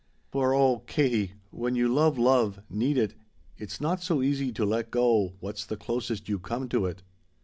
For oh, Katie when you love love need it it's not so easy to let go what's the closest you've come to it.